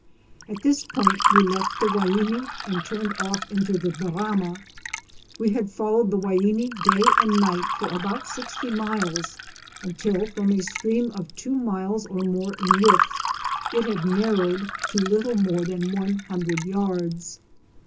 At this point we left the Waini and turned off into the Barama. We had followed the Waini day and night for about sixty miles, until, from a stream of two miles or more in width, it had narrowed to little more then one hundred yards.